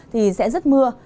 thì sẽ rất mưa